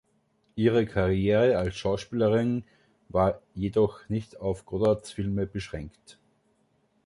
Ihre Karriere als Schauspielering war jedoch nicht auf Godards Filme beschränkt.